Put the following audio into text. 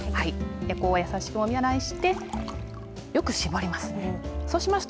こう、優しくもみ洗いして、よく絞ります。